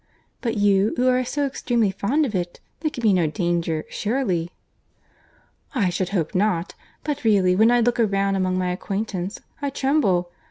"But you, who are so extremely fond of it—there can be no danger, surely?" "I should hope not; but really when I look around among my acquaintance, I tremble.